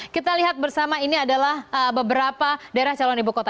kita lihat bersama ini adalah beberapa daerah calon ibu kota